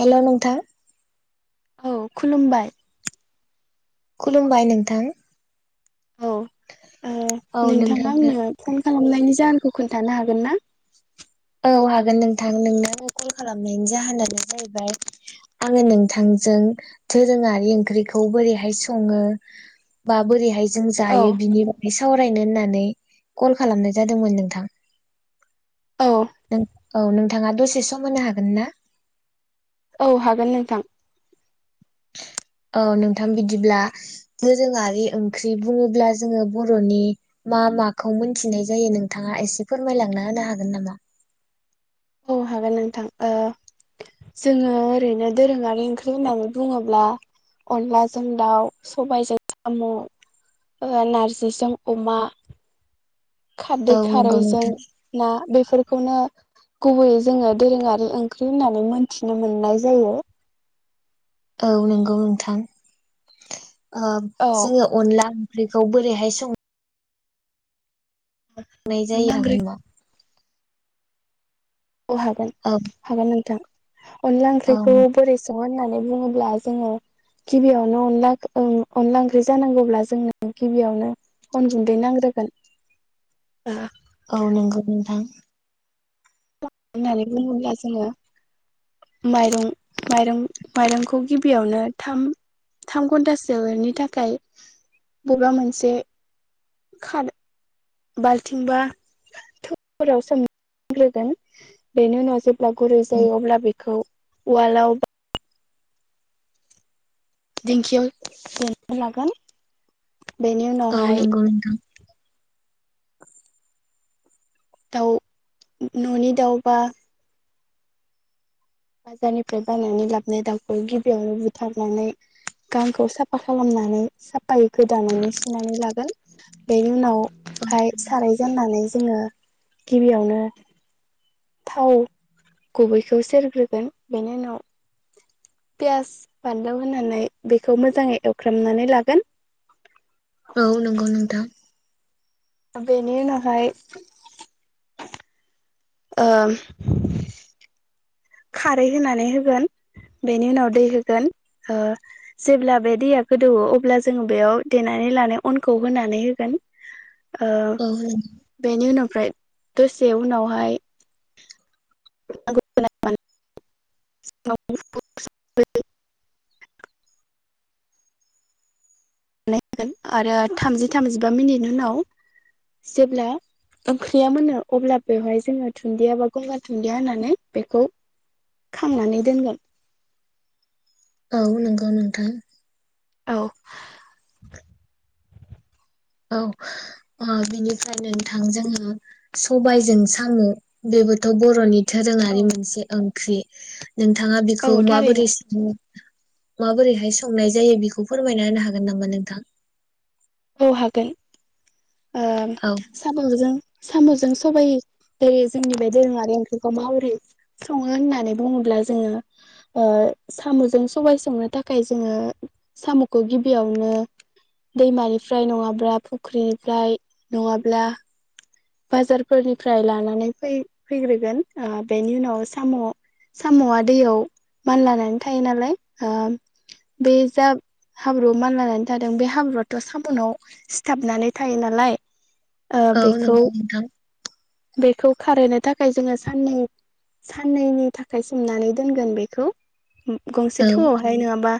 Hello नोंथां औ खुलुमबाय खुलुमबाय नोंथां औ ओ औ नोंथाङा नोंथांनो आंनो फन खालामनायनि जाहो खोन्थानो हागोन ना औ हागोन नोंथां नोंनो कल खालामनायनि जाहोनानो जाहैबाय आङो नोंथांजों दोरोङारि ओंख्रिखौ बोरैहाय सङो बा बोरैहाय जों औ जायो बिनि बागै सावराय रायनो होननानै कल खालामनाय जादोंमोन नोंथां औ औनो [unintelligible] नोंथाङा दसे सम होनो हागोन ना औ हागोन नोंथां औ नोंथां बिदिब्ला दोरोङारि ओंख्रि बुङोब्ला जोङो बर'नि मा माखौ मोनथिनाय जायो नोंथाङा एसे फोरमायलांना होनो हागोन नामा औ हागोन नोंथां ओ जोङो ओरैनो दोरोङारि ओंख्रि होननानै बुङोब्ला अनलाजों दाउ सबायजों साम'ओ नारजिजों अमा खारदै औ नंगौ खारैजों नोंथां ना बे बेफोरखौनो गुबैयै जोङो दोरोङारि ओंख्रि होननानै मोनथिनो मोननाय जायो औ नोंगौ नोंथां ओ औ जोङो अनला ओंख्रिखौ बोरैहाय सङो नायजायो अनला ओंख्रिखौ हागोनबा औ हागोन औ हागोन नोंथां अनला औ ओंख्रिखौ बोरै सं होननानै बुङोब्ला जोङो गिबियावनो अन अनला ओंख्रि जानांगौब्ला जोङनो गिबियावनो अन गुन्दै नांग्रोगोन औ नंगौ नोंथां होननानै बुङोब्ला जोङो माइरं माइरं माइरंखौ गिबि गिबियावनो थाम थाम घन्टासोनि थाखाय बबेबा मोनसे खानो बाल्थिंबा थौफोराव सोमग्रोगोन बेनि उनाव जेब्ला गुरै जायो अब्ला बेखौ उवालाव दिेंखियाव देना लागोन बेनि औ उनावहाय नंगौ नोंथां [inaudible] दाउ न'नि दाउबा बाजारनिफ्राय बायनानै लाबोन दाउखौ गिबियावनो बुथारनानै गांखौ साफा खालामनानै साफायै गोदानानै सुनानै लागोन बेनि उनावहाय साराय जाननानै जोङो गिबियावनो थाव गुबैखौ सेरग्रोगोन बेनि उनाव पियास बानलौ होनानै बेखौ मोजाङै एवफ्रामनानै लागोन औ नंगौ नोंथां आ बेनि नाहाय [unintelligible] खारै होनानै होगोन बेनि उनाव दै होगोन ओ जेब्ला बे दैया गोदौवो अब्ला जोङो बेयाव देनानै लानाय अनखौ होनानै होगोन ओ औ बेनि उनावफ्राय दसे उनावहाय [unintelligible] बानायोन आरो थामजि थामजिबा मिनिट उनाव जेब्ला ओंख्रिया मोनो अब्ला बेवहाय जोङो दुनन्दिया बा गंगार दुन्दिया होनानै बेखौ खांनानै दोनगोन। औ नंगौ नोंथां। औ औ ओ बिनिफ्राय नोंथां जोङो सबाइजों सामु बेबोथ' बर'नि औ दोरोङारि मोनसे ओं ख्रि नोंथाङा बिखौ औ थारैनो माबोरै सङो माबोरैहाय संनाय जायो बेखौ फोरमायना होनो हागोन नामा नोंथां? औ हागोन। ओ औ साम'जों साम'जों सबाइ जेरै जोंनि बे दोरोङारि ओंख्रिखौ माबोरै सङो होननानै बुङोब्ला जोङो ओ साम'जों सबाय संनो थाखाय जोङो साम'खौ गिबियावनो दैमानि फ्राय नङाब्ला फुख्रिनिफ्राय नङाब्ला बाजारफोरनिफ्राय लानानै फै फैग्रोगोन ओ बेनि उनाव साम' साम'आ दैयाव मान लानानै थायो नालाय ओ बे जा हाब्रुआव मान लानानै थादों बे हाब्रुआथ' साम'नाव सिथाबनानै थायो नालाय ओ औ बेखौ नंगौ नोंथां बेखौ खारहोनो थाखाय जोङो साननै साननैनि थाखाय सोमनानै दोनगोन बेखौ। गंसे औ थौआवहाय नोङाबा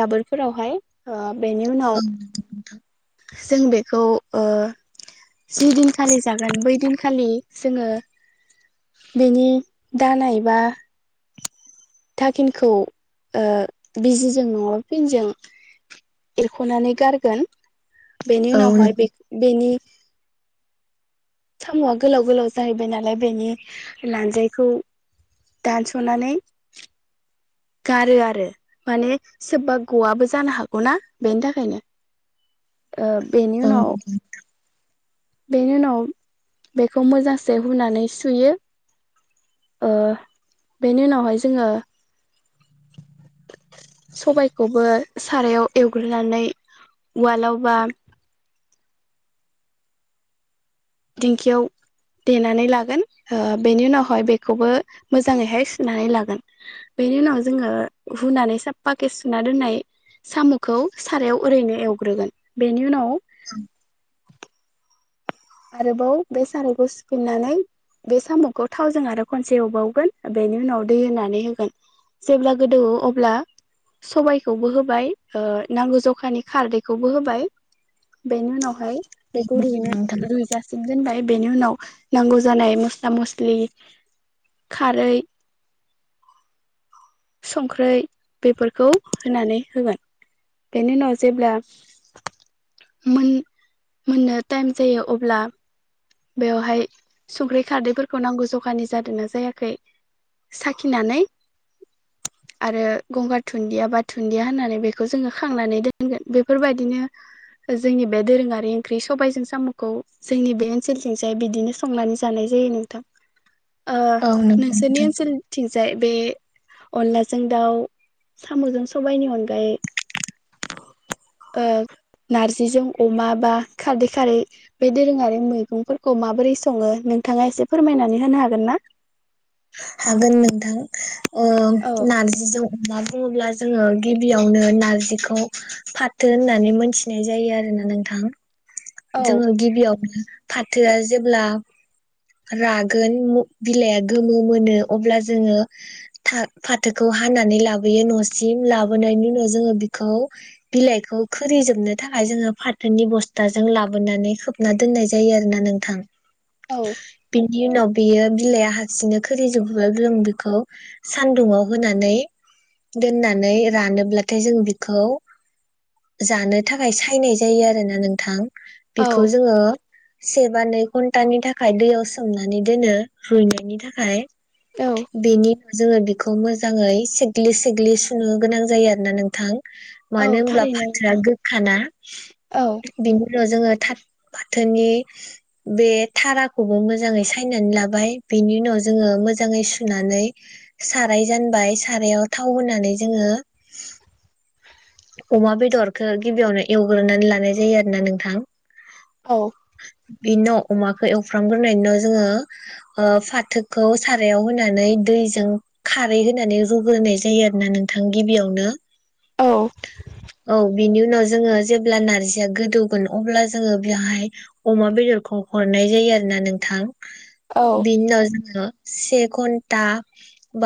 दाबोरफोरावहाय ओ बेनि उनाव ओं नंगौ नोंथां जों बेखौ ओ जि दिनखालि जागोन बै दिन खालि जोङो बेनि दानाय बा थाखिनखौ ओ बिजिजों नङाब्ला फिनजों एरख'नानै गारगोन। बेनि औ नों उनावहाय बे बेनि साम'आ गोलाव गोलाव जाहैबाय नालाय बेनि लानजायखौ दानस'नानै गारो आरो माने सोबबा गवाबो जानो हागौना बेनि थाखायनो। ओ बेनि औ उनाव बेनि उनाव बेखौ मोजांसे हुनानै सुयो ओ बेनि उनावहाय जोङो सबायखौबो सारायाव एवग्रोनानै उवालाव बा दिंखियाव देनानै लागोन ओ बेनि उनावहाय बेखौबो मोजाङैहाय सुनानै लागोन बेनि उनाव जोङो हुनानै सा पाके सुना दोननाय साम'खौ सारायाव ओरैनो एवग्रोगोन बेनि उनाव आरोबाव बे सारायखौ सुफिननानै बे साम'खौ थावजों आरो खनसे एवबावगोन बेनि उनाव दै होनानै होगोन जेब्ला गोदौयो अब्ला सबायखौबो होबाय ओ नांगौ जखानि खारदैखौबो होबाय बेनि उनाव हाय बेखौ नोंथां रुयनो जासि जोनबाय बेनि उनाव नांगौ जानाय मस्ला मस्लि खारै संख्रै बेफोरखौ होनानै होगोन बेनि उनाव जेब्ला मोन मोननो टाइम जायो अब्ला बेवहाय संख्रि खारदैफोरखौ नांगौ जखानि जादोंना जायाखै साखिनानै आरो गंगार थुन्दिया बा दुन्दिया होननानै बेखौ जोङो खांनानै दोनगोन। बेफोरबायदिनो जोंनि बे दोरोङारि ओंख्रि सबाइजों साम'खौ जोंनि बे ओनसोलथिंजाय बिदिनो संनानै जानाय जायो नोंथां। ओ औ नंगौ नोंसोरनि नोंथां ओनसोलनिथिं जाय बे अनलाजों दाउ साम'जों सबाइनि अनगायै ओ नारजिजों अमा बा खारदै खारै बे दोरोङारि मै गंफोरखौ माबोरै सङो नोंथाङा एसे फोरमायनानै होनो हागोन ना? हागोन नोंथां। औ नारजिजों अमा बुङोब्ला जोङो गिबियावनो नारजिखौ फाथो होननानै मोनथिनाय जायो आरोना नोंथां। औ जोङो गिबियावनो फाथोआ जेब्ला रागोन बिलाइआ गोमो मोनो अब्ला जोङो था फाथोखौ हानानै लाबोयो न'सिम लाबोनायनि उनाव जोङो बिखौ बिलाइखौ खोरिजोबनो थाखाय जोङो फाथोनि बस्थाजों लाबोनानै खोबना दोननाय जायो आरोना नोंथां। औ बिनि उनाव बेयो बिलाइआ हारसिंनो खोरिजोबोब्ला जों बेखौ सानदुंआव होनानै दोननानै रानोब्लाथाय जों बिखौ जानो थाखाय सायनाय जायो आरो ना नोंथां। बेखौ औ जोङो सेबा नै घन्टा नि थाख खाय दैयाव सोमनानै दोनो रुइनायनि थाखाय औ बेनि उनाव जोङो बि खौ मोजाङै सिग्लि सिग्लि सुनो गोनां जायो आरो ना नोंथां। मानो औ होनोमब्ला थारैनो फाथोआ नोंथां गोखाना औ बिनि उनाव जोङो थाथ फाथोनि बे थाराखौबो मोजाङै सायनानै लाबाय बेनि उनाव जोङो मोजाङै सुनानै साराय जानबाय सारायाव थाव होनानै जोङो अमा बेदरखौ गिबियावनो एवग्रोनानै लानाय जायो आरो ना नोंथां। औ बेनिनाव अमाखौ एवफ्रामग्रोनाय उनाव जोङो फाथोखौ सारायाव होनानै दैजों खारै होनानै रुग्रोनाय जायो आरो ना नोंथां गिबियावनो। औ औ बिनि उनाव जोङो जेब्ला नारजिया गोदौगोन अब्ला जोङो बेहाय अमा बेदरखौ हरनाय जायो आरो ना नोंथां। औ बिनि उनाव जोङो से घन्टा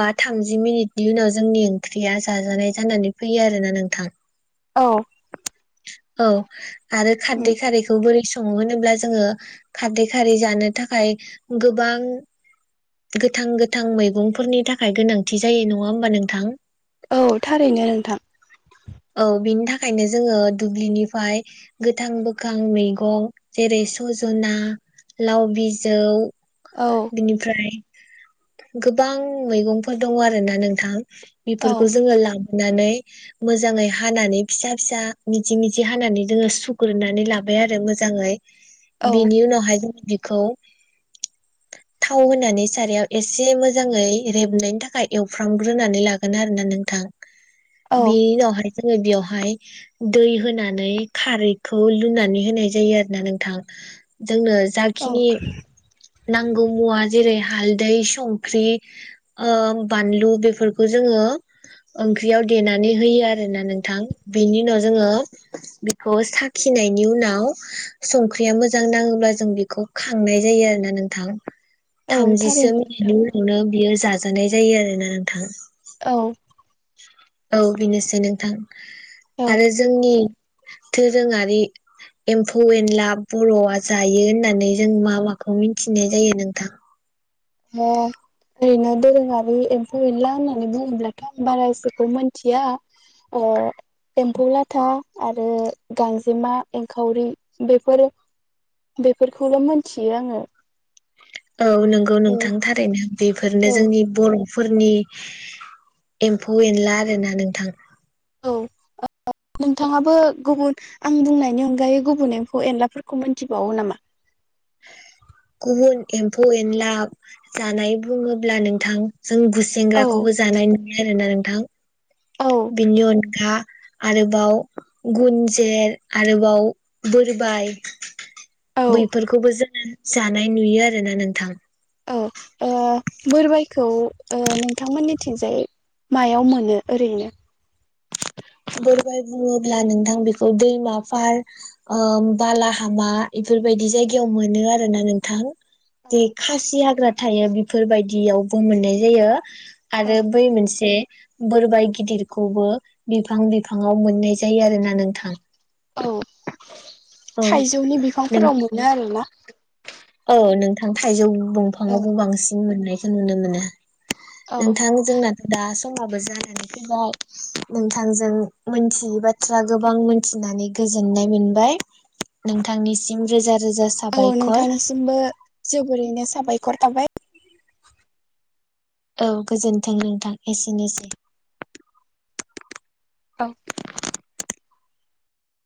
बा थामजि मिनिटनि उनाव जोंनि ओंख्रिया जाजानाय जानानै फैयो आरोना नों थां औ औ आरो उम खारदै खारैखौ बोरै स सङो होनोब्ला जोङो खारदै खारै जानो थाखाय गोबां गोथां गोथां मैगंफोरनि थाखाय गोनांथि जायो नङा होमबा नोंथां औ थारैनो नोंथां। औ बिनि थाखायनो जोङो दुब्लिनिफ्राय गोथां गोखां मैगं जेरै सजना लाव बिजौ औ बिनिफ्राय गोबां मैगंफोर दङ आरोना नोंथां औ बेफोरखौ जोङो लां नानै मोजाङै हानानै फिसा फिसा मिजि मिजि हानानै जोङो सुग्रोनानै लाबाय आरो मोजाङै। औ बिनि उनावहाय [unintelligible] खौ थाव होनानै सारायाव एसे मोजाङै रेबनायनि थाखाय एवफ्रामग्रोनानै लागोन आरो ना नोंथां। औ बिनि उनावहाय जोङो बेयावहाय दै होनानै खारैखौ लुनानै होनाय जायो आरो ना नोंथां। जोंनो औ जाखिनि नांगौ मुवा जेरै हालदै संख्रि ओ-बानलु बेफोरखौ जोङो ओंख्रियाव देनानै नै होयो आरोना नोंथां। बिनि उनाव जोङो। खौ साखिनायनि उनाव संख्रिया मोजां नाङोब्ला जों बेखौ खांनाय जायो आरो ना नोंथां। औ थामजिसो थारैनो नोंथां मिनिटनि उनावनो बियो जा जानाय जायो आरोना नोंथां औ औ बेनोसै नोंथां। औ आरो जोंनि दोरोङारि एम्फौ-एनला बरआ जायो होननानै जों मा माखौ मिथिनाय जायो नोंथां। ओम ओरैनो दोरोङारि एम्फौ-एनला होननानै बुङोब्लाथ आं बारा एसेखौ मिथिया। एम्फौ लाथा आरो गांजेमा एंखावरि बेफोर बेफोरखौल मोनथियो आङो। औ नंगौ औ नोंथां थारैनो बेफोरनो औ जोंनि बर फोरनि एम्फौ-एनला आरो ना नोंथां। औ नोंथाङाबो गुबुन आं बुंनायनि अनगायै गुबुन एम्फौ-एनलाफोरखौ मिथिबावो नामा? गुबुन एम्फौ-एनला जानाय बुङोब्ला नोंथां। जों औ गुसेेंग्राखौबो जानाय नुयो आरो ना नों थां औ बिनि अनगा आरोबाव गुनजेर आरोबाव बोरबाय औ बैफोरखौबो जोङो। जानाय नुयो आरोना नोंथां। औ ओ बोरबायखौ नोंथांमोननिथिंजाय मायाव मोनो ओरैनो? बोरबाय बुङोब्ला नोंथां बेखौ दैमाफोर ओ-बालाहामा एफोरबायदि जायगायाव मोनो आरोना नोंथां। बे खासि हाग्रा थायो बेफोरबायदियावबो मोननाय जायो। औ आरो बै मोनसे बोरबाय गिदिरखौबो बिफां बिफाङाव मोननाय जायो आरो ना नोंथां। औ औ थाइजौनि नों बिफांफोराव मोनो आरोना। औ नोंथां थाइजौ औ दंफाङावबो बांसिन मोननाय जों नुनो मोनो। नोंथां जोंनाथ दा समाबो जानानै फैबाय नोंथांजों मोनथियै बाथ्रा गोबां मोनथिनानै गोजोननाय मोनबाय। नोंथांनिसिम रोजा रोजा औ साबायखर नोंथांनिसिमबो जोबोरैनो साबायखर थाबाय। औ गोजोन्थों नोंथां एसेनोसै। औ